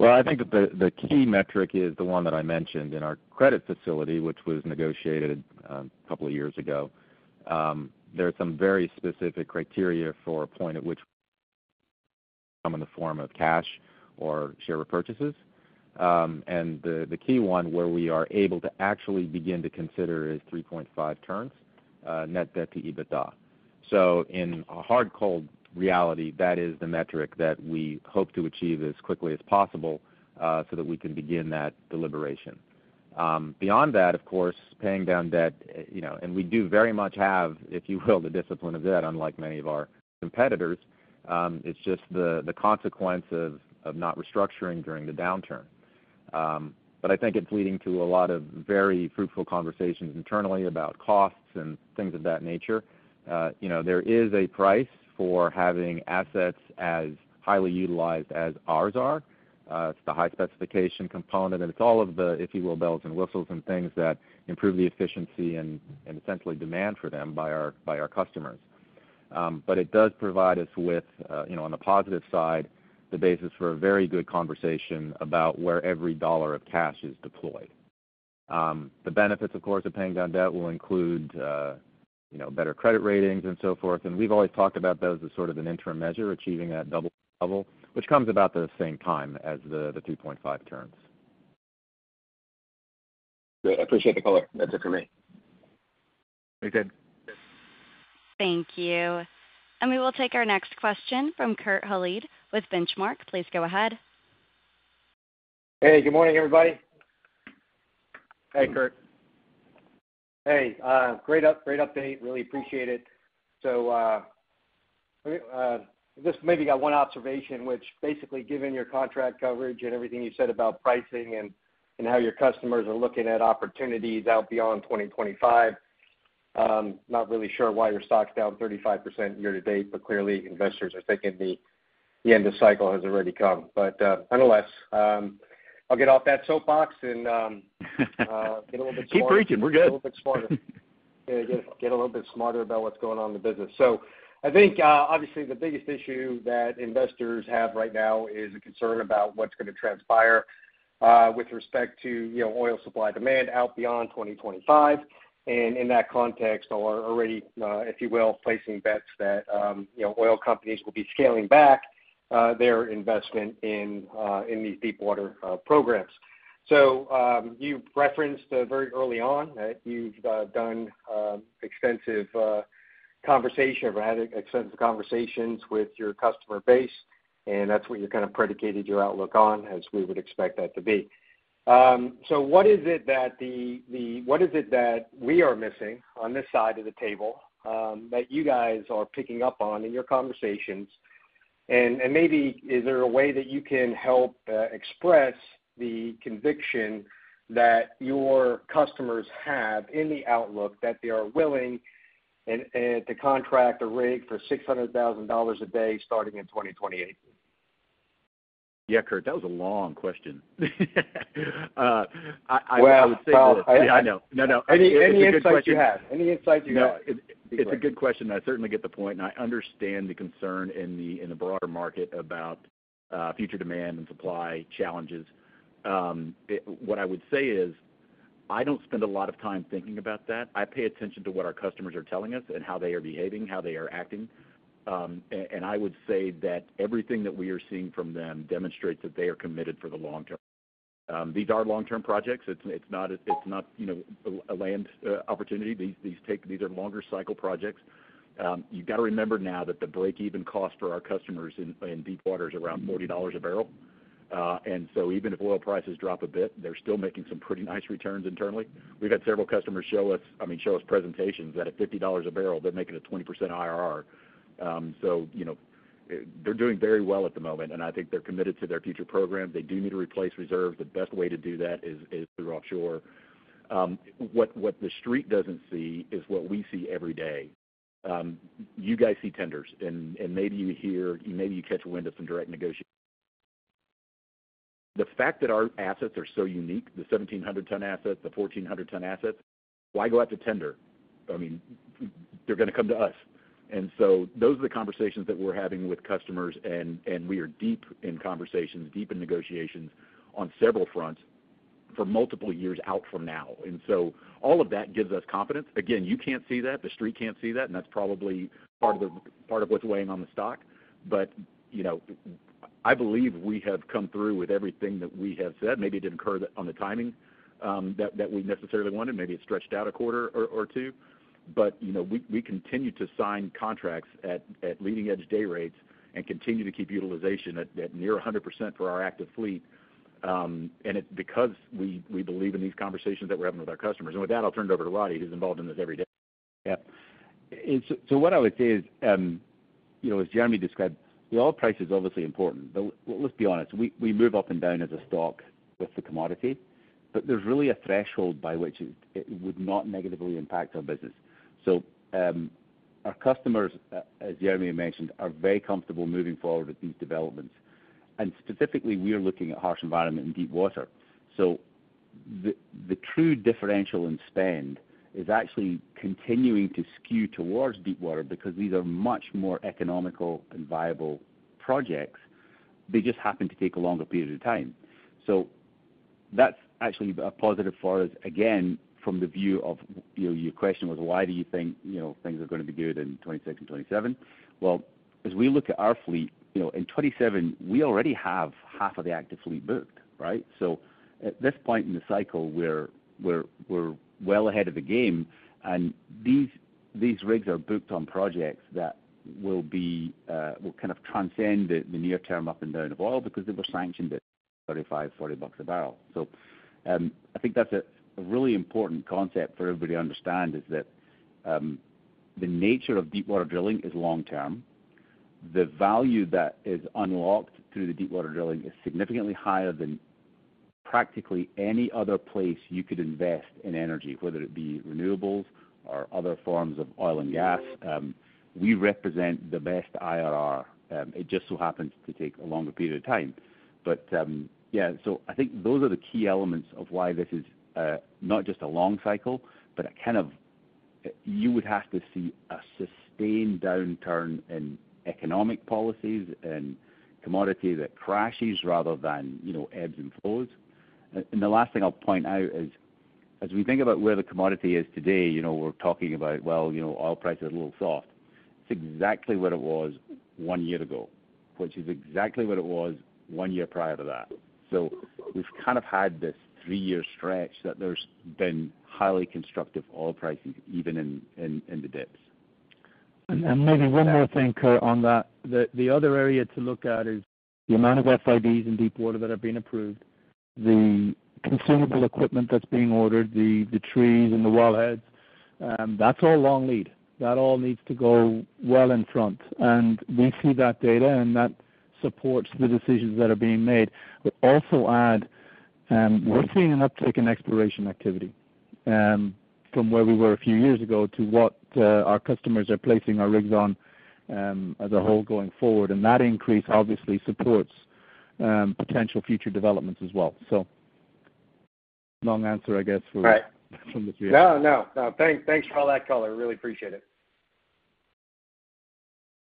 I think that the key metric is the one that I mentioned in our credit facility, which was negotiated a couple of years ago. There are some very specific criteria for. A point at which come in the. Form of cash or share repurchases and the key one where we are able to actually begin to consider is 3.5 turns Net Debt to EBITDA. So in a hard, cold reality, that is the metric that we hope to achieve as quickly as possible so that we can begin that deliberation. Beyond that, of course, paying down debt. And we do very much have, if you will, the discipline of debt. Unlike many of our competitors, it's just the consequence of not restructuring during the downturn. But I think it's leading to a lot of very fruitful conversations internally about costs and things of that nature. There is a price for having assets as highly utilized as ours are. It's the high specification component and it's all of the, if you will, bells and whistles and things that improve the efficiency and essentially demand for them by our customers. But it does provide us with, on the positive side, the basis for a very good conversation about where every dollar. Of cash is deployed. The benefits, of course, of paying down debt will include better credit ratings and so forth, and we've always talked about those as sort of an interim measure, achieving that. Double, which comes about the same time. As the 2.5 turns. Great. I appreciate the color. That's it for me. Very good. Thank you. And we will take our next question from Kurt Hallead with Benchmark. Please, go ahead. Hey, good morning, everybody. Hey, Kurt. Hey, great update. Really appreciate it. So. Just maybe got one observation which basically given your contract coverage and everything you said about pricing and how your. Customers are looking at opportunities out beyond. 2025, not really sure why your stock's. Down 35% year to date, but clearly. Investors are thinking the end of. Cycle has already come. But nonetheless, I'll get off that soapbox and keep reaching. We're good. Get a little bit smarter about what's going on in the business. So I think obviously the biggest issue. That investors have right now is a concern about what's going to transpire with respect to oil supply demand out beyond 2025. And in that context, or already, if you will, placing bets that oil companies will be scaling back their investment in these deepwater programs. So you referenced very early on that you've done extensive conversations with. Your customer base and that's what you. Kind of predicated your outlook on, as. We would expect that to be. So what is it that we are missing on this side of the table that you guys are picking up on in your conversations? And maybe is there a way that. You can help express the conviction that. Your customers have in the outlook that they are willing to contract a rig for $600,000 a day starting in 2028? Yeah, Kurt, that was a long question. It's a good question. I certainly get the point and I understand the concern in the broader market about future demand and supply challenges. What I would say is I don't spend a lot of time thinking about that. I pay attention to what our customers are telling us and how they are behaving, how they are acting. And I would say that everything that we are seeing from them demonstrates that they are committed for the long term. These are long term projects. It's not a land opportunity. These are longer cycle projects. You've got to remember now that the breakeven cost for our customers in deepwater is around $40 a barrel. And so even if oil prices drop a bit, they're still making some pretty nice returns internally. We've had several customers show us, I mean, show us presentations that at $50 a barrel, they're making a 20% IRR. So they're doing very well at the moment. And I think they're committed to their future program. They do need to replace reserves. The best way to do that is through offshore. What the street doesn't see is what we see every day. You guys see tenders and maybe you catch wind of some direct negotiations. The fact that our assets are so unique, the 1,700-ton assets, the 1,400-ton assets, why go out to tender? I mean they're going to come to us. And so those are the conversations that we're having with customers. And we are deep in conversations, deep in negotiations on several fronts for multiple years out from now. And so all of that gives us confidence. Again, you can't see that, the street can't see that. And that's probably part of what's weighing on the stock. But I believe we have come through with everything that we have said. Maybe it didn't occur on the timing that we necessarily wanted. Maybe it stretched out a quarter or two. But we continue to sign contracts at leading edge day rates and continue to keep utilization at near 100% for our active fleet. And it's because we believe in these conversations that we're having with our customers. And with that I'll turn it over to Roddie who's involved in this every day. So what I would say is, as Jeremy described, the oil price is obviously important, but let's be honest, we move up and down as a stock with the commodity, but there's really a threshold by which it would not negatively impact our business. So our customers, as Jeremy mentioned, are very comfortable moving forward with these developments. And specifically, we are looking at harsh environment in deepwater. So the true differential in spend is actually continuing to skew towards deepwater because these are much more economical and viable projects. They just happen to take a longer period of time. So that's actually a positive for us. Again, from the view of your question was why do you think things are going to be good in 2026 and 2027? Well, as we look at our fleet in 2017, we already have half of the active fleet booked. At this point in the cycle, we're well ahead of the game. And these rigs are booked on projects that will kind of transcend the near term up and down of oil because they were sanctioned at $35-$40 a barrel. I think that's a really important concept for everybody to understand: that the nature of deepwater drilling is long term. The value that is unlocked through the deepwater drilling is significantly higher than practically any other place you could invest in energy, whether it be renewables or other forms of oil and gas. We represent the best IRR. It just so happens to take a longer period of time, but yes, so I think those are the key elements of why this is not just a long cycle, but you would have to see a sustained downturn in economic policies and commodity that crashes rather than ebbs and flows, and the last thing I'll point out is as we think about where the commodity is today, we're talking about, well, oil prices are a little bit. It's exactly what it was one year ago, which is exactly what it was one year prior to that. So we've kind of had this three-year stretch that there's been highly constructive oil prices even in the dips. And maybe one more thing, Kurt, on that. The other area to look at is the amount of FIDs in deepwater that have been approved, the consumable equipment that's being ordered, the trees and the wellheads that's all long lead that all needs to go well in front and we see that data and that supports the decisions that are being made. Also add, we're seeing an uptick in exploration activity from where we were a few years ago to what our customers are placing our rigs on as a whole going forward. And that increase obviously supports potential future developments as well. So long answer, I guess. No, no, no. Thanks for all that color. Really appreciate it.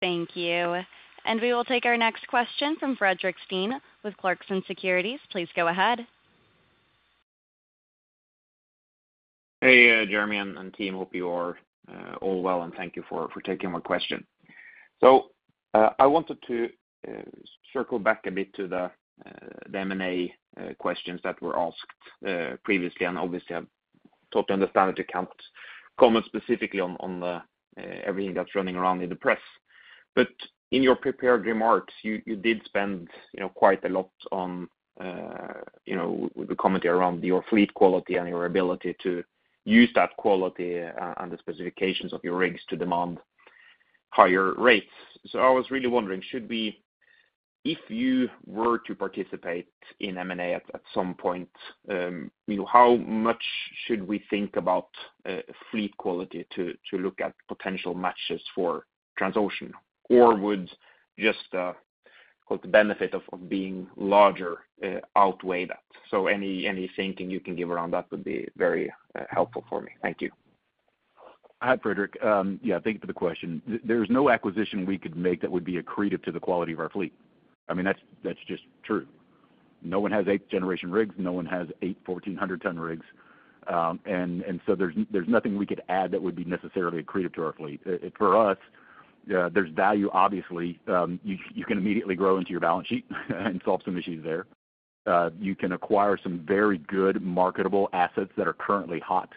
Thank you. And we will take our next question from Fredrik Stene with Clarksons Securities. Please go ahead. Hey Jeremy and team, hope you are. All well and thank you for taking my question. So I wanted to circle back a bit to the M&A questions that were asked previously. And obviously I totally understand that you can't comment specifically on everything that's running around in the press, but in your prepared remarks you did spend quite a. lot on the commentary around your fleet. Quality and your ability to use that quality and the specifications of your rigs to demand higher rates. So I was really wondering, should we? If you were to participate in M&A at some point, you know, how much should we think about fleet quality to look at potential matches for Transocean or would just the benefit of being larger outweigh that? So any thinking you can give around that would be very helpful for me. Thank you. Hi Fredrik. Yes, thank you for the question. There's no acquisition we could make that would be accretive to the quality of our fleet. I mean that's just true. No one has eighth generation rigs. No one has eight 1,400 ton rigs. And so there's nothing we could add that would be necessarily accretive to our fleet for us. There's value, obviously you can immediately grow into your balance sheet and solve some issues there. You can acquire some very good marketable assets that are currently hot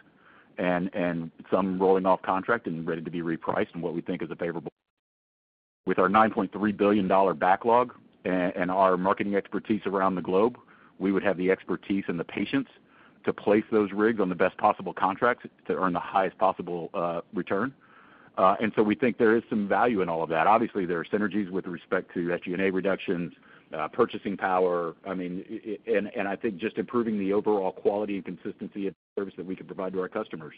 and some rolling off contract and ready to be repriced and what we think is a favorable with our $9.3 billion backlog and our marketing expertise around the globe, we would have the expertise and the patience to place those rigs on the best possible contracts to earn the highest possible return. And so we think there is some value in all of that. Obviously there are synergies with respect to SG&A reductions, purchasing power, I mean and I think just improving the overall quality and consistency of service that we can provide to our customers.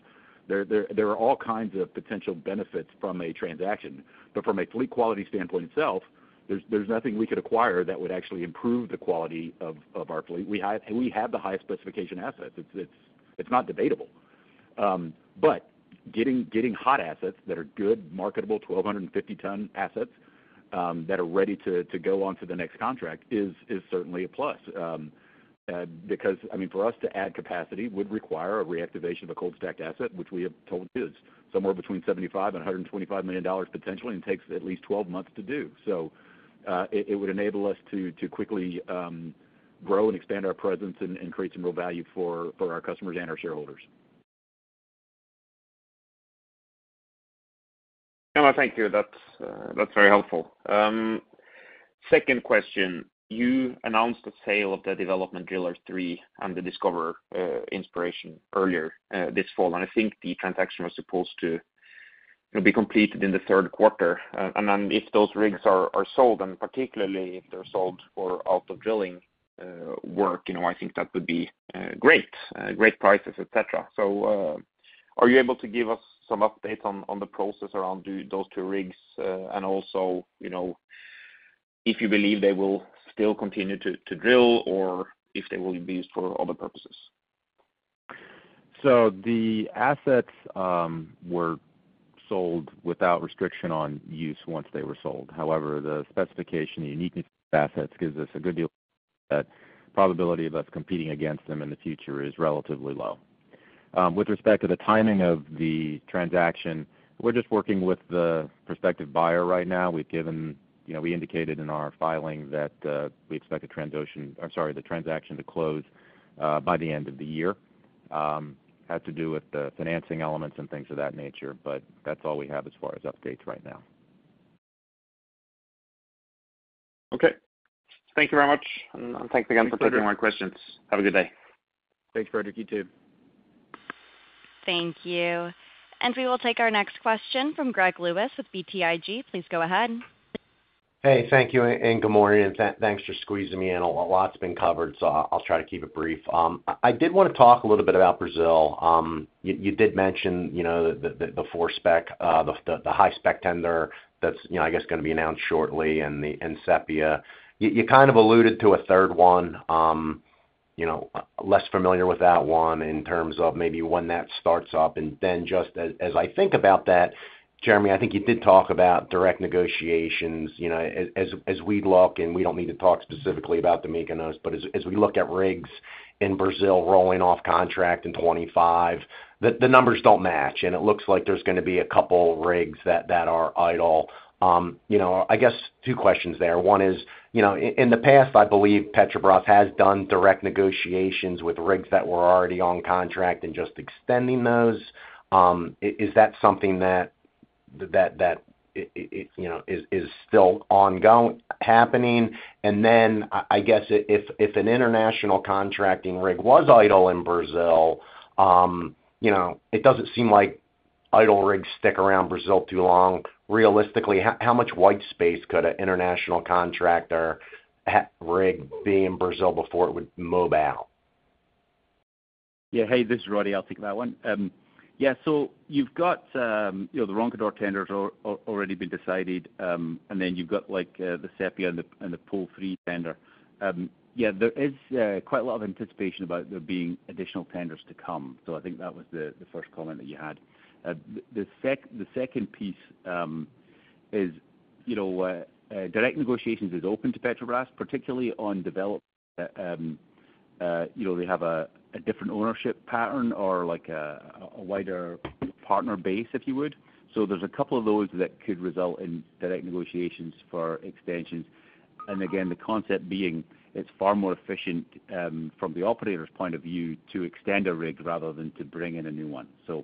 There are all kinds of potential benefits from a transaction, but from a fleet quality standpoint itself, there's nothing we could acquire that would actually improve the quality of our fleet. We have the highest specification assets. It's not debatable, but getting hot assets that are good marketable 1,250-ton assets that are ready to go on to the next contract is certainly a plus because I mean for us to add capacity would require a reactivation of a cold-stacked asset which we have told you is somewhere between $75-$125 million potentially and takes at least 12 months to do so. It would enable us to quickly grow and expand our presence and create some real value for our customers and our shareholders. Thank you, that's very helpful. Second question. You announced the sale of the Development Driller III and the Discoverer Inspiration earlier this fall and I think the transaction was supposed to be completed in the third quarter. And if those rigs are sold and. Particularly if they're sold for out of. Drilling work, I think that would be. Great, great prices, etc. So, are you able to give us? Some updates on the process around those. Two rigs and also. If you believe. They will still continue to drill or if they will be used for other purposes? So the assets were sold without restriction on use. Once they were sold, however, the specification. Uniqueness of assets gives us a good. Deal probability of us competing against them in the future is relatively low with respect to the timing of the transaction. We're just working with the prospective buyer right now. We've given, you know, we indicated in our filing that we expect a Transocean. I'm sorry the transaction to close by the end of the year has to do with the financing elements and things of that nature. But that's all we have as far. As updates right now. Okay, thank you very much and thanks. Again for taking more questions. Have a good day. Thanks Fredrik, you too. Thank you, and we will take our next question from Greg Lewis with BTIG. Please go ahead. Hey, thank you and good morning, and thanks for squeezing me in. A lot's been covered, so I'll try to keep it brief. I did want to talk a little bit about Brazil. You did mention the high-spec, the high-spec tender that's I guess going to be announced shortly. And Sepia. You kind of alluded to a third. One less familiar with that one in terms of maybe when that starts up. And then just as I think about that, Jeremy, I think you did talk about direct negotiations as we look and we don't need to talk specifically about the Mykonos, but as we look at rigs in Brazil rolling off contract in 2025, the numbers don't match and it looks like there's going to be a couple rigs that are idle. I guess two questions there. One is, you know, in the past I believe Petrobras has done direct negotiations with rigs that were already on contract and just extending those. Is that something that is still ongoing happening? And then I guess if an international contracting rig was idle in Brazil, it doesn't seem like idle rigs stick around Brazil too long. Realistically, how much white space could an international contractor rig be in Brazil before it would mob out? Yeah, hey, this is Roddie. I'll take that one. Yeah, so you've got the Roncador tenders already been decided and then you've got like the Sepia and the Pool 3 tender. Yeah, there is quite a lot of anticipation about there being additional tenders to come. So I think that was the first comment that you had. The second piece is direct negotiations is open to Petrobras, particularly on developed. They have a different ownership pattern or a wider partner base, if you would. So there's a couple of those that could result in direct negotiations for extensions. And again, the concept being it's far more efficient from the operator's point of view to extend a rig rather than to bring in a new one. So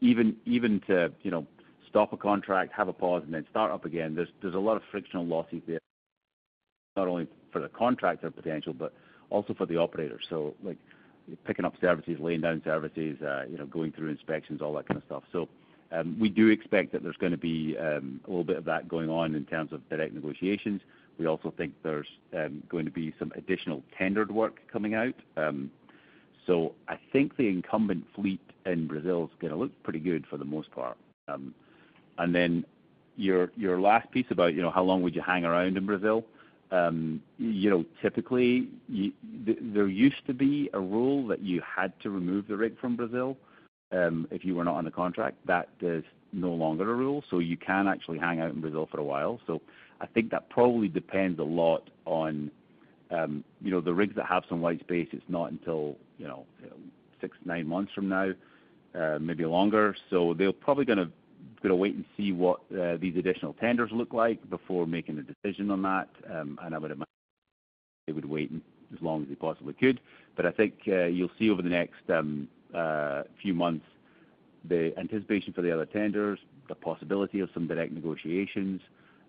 even to stop a contract, have a pause and then start up again. There's a lot of frictional losses there not only for the contractor potential but also for the operator. So like picking up services, laying down services, going through inspections, all that kind of stuff. So we do expect that there's going to be a little bit of that going on in terms of direct negotiations. We also think there's going to be some additional tendered work coming out. So I think the incumbent fleet in Brazil is going to look pretty good for the most part. And then your last piece, about how long would you hang around in Brazil. Typically there used to be a rule that you had to remove the rig from Brazil. If you were not on the contract, that is no longer a rule. So you can actually hang out in Brazil for a while. I think that probably depends a lot on the rigs that have some white space. It's not until six, nine months from now, maybe longer. So they're probably going to wait and see what these additional tenders look like before making a decision on that. And I would imagine they would wait as long as they possibly could. But I think you'll see over the next few months the anticipation for the other tenders, the possibility of some direct negotiations,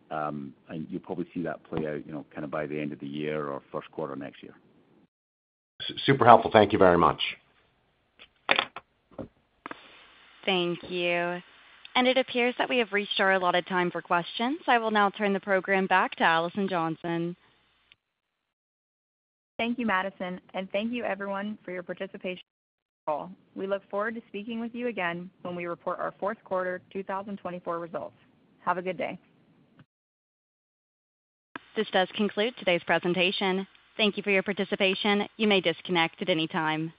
and you'll probably see that play out kind of by the end of the year or first quarter next year. Super helpful. Thank you very much. Thank you. And it appears that we have reached our allotted time for questions. I will now turn the program back to Alison Johnson. Thank you, Madison. And thank you, everyone, for your participation. We look forward to speaking with you again when we report our fourth quarter 2024 results. Have a good day. This does conclude today's presentation. Thank you for your participation. You may disconnect at any time.